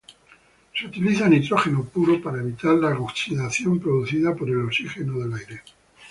Se utiliza nitrógeno puro para evitar la oxidación producida por el oxígeno del aire.